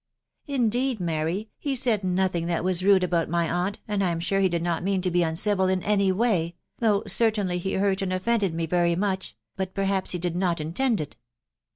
" Indeed, Mary, he said nothing that waa rude about aw aunt, and I am sure he did not mean to be uncivil in any .... though certainly he hurt and offended me very •..• but perhaps he did not intend it."